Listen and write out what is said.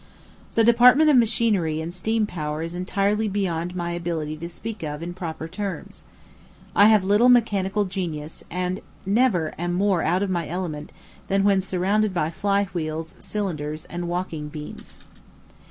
The department of machinery and steam power is entirely beyond my ability to speak of in proper terms. I have little mechanical genius, and I never am more out of my element than When surrounded by fly wheels, cylinders, and walking beams.